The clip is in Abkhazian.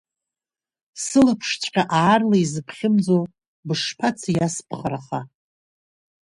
Сылаԥшҵәҟьа аарла изыбхьымӡо, бышԥацеи ас бхараха!